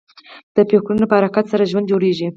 د فکرو نه په حرکت سره ژوند جوړېږي.